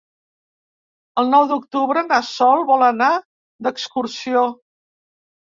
El nou d'octubre na Sol vol anar d'excursió.